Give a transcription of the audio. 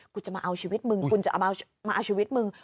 กูจะมาเอาชีวิตมึง